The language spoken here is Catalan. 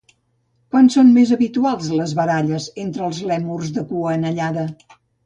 Quan són més habituals les baralles entre lèmurs de cua anellada?